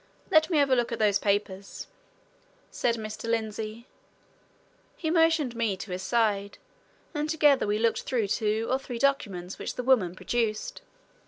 "Let me have a look at those papers," said Mr. Lindsey. He motioned me to his side, and together we looked through two or three documents which the woman produced.